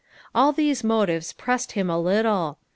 All these motives pressed him a little.